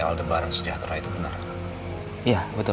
aku kasih tau kamu